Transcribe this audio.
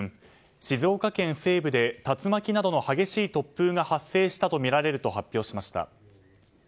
静岡県西部で竜巻などの激しい突風が発生したとみられると発表しました。